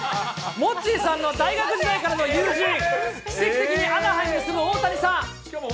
モッチーさんの大学時代からの友人、奇跡的にアナハイムに住む大谷さん。